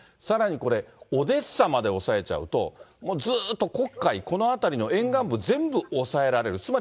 さらにこれ、オデッサまで抑えちゃうと、もうずっと黒海、この辺りの沿岸部全部抑えられる。